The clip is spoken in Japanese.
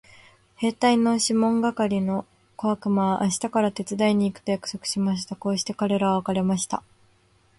兵隊のシモン係の小悪魔は明日から手伝いに行くと約束しました。こうして彼等は別れました。